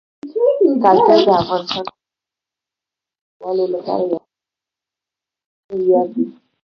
کلتور د افغانستان د ټولو هیوادوالو لپاره یو ډېر لوی او ستر ویاړ دی.